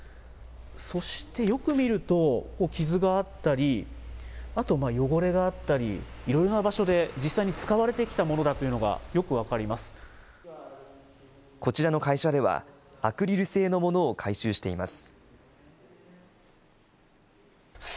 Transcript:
そしてよく見ると、傷があったり、あと汚れがあったり、いろいろな場所で実際に使われてきたものだこちらの会社では、アクリル製のものを回収しています。